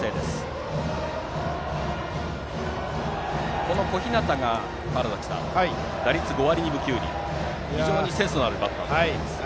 川原崎さん、この小日向が打率５割２分９厘と非常にセンスのあるバッターということです。